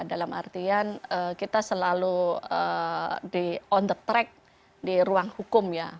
dalam artian kita selalu di on the track di ruang hukum ya